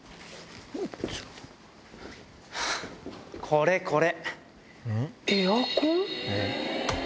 これこれ。